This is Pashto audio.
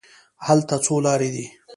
هلته څو لارې دي.